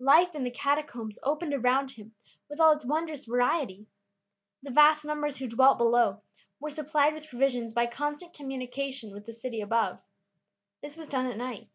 Life in the Catacombs opened around him with all its wondrous variety. The vast numbers who dwelt below were supplied with provisions by constant communication with the city above. This was done at night.